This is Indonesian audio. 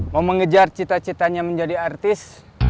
mau mengejar cita citanya menjadi artis